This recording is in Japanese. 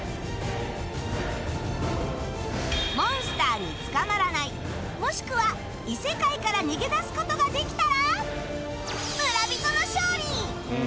モンスターに捕まらないもしくは異世界から逃げ出す事ができたら村人の勝利